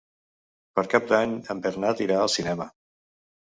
Per Cap d'Any en Bernat irà al cinema.